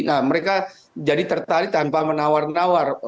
nah mereka jadi tertarik tanpa menawar nawar